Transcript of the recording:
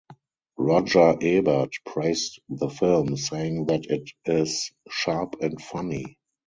Roger Ebert praised the film, saying that it is "sharp and funny".